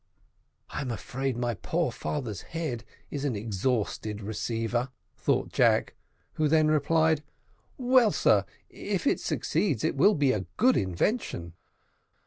"I am afraid my poor father's head is an exhausted receiver," thought Jack, who then replied, "Well, sir, if it succeeds it will be a good invention."